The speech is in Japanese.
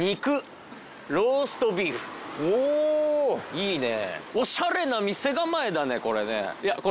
いいね！